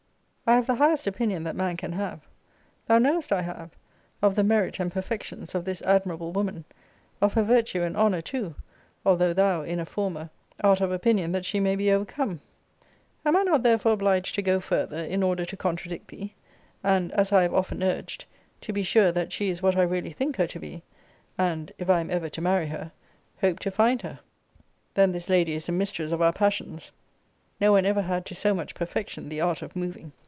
I have the highest opinion that man can have (thou knowest I have) of the merit and perfections of this admirable woman; of her virtue and honour too, although thou, in a former, art of opinion that she may be overcome.* Am I not therefore obliged to go further, in order to contradict thee, and, as I have often urged, to be sure that she is what I really think her to be, and, if I am ever to marry her, hope to find her? * See Vol. III. Letter LI. Paragr. 9. Then this lady is a mistress of our passions: no one ever had to so much perfection the art of moving.